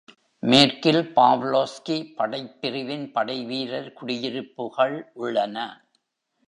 மேற்கில் பாவ்லோவ்ஸ்கி படைப்பிரிவின் படைவீரர் குடியிருப்புகள் உள்ளன.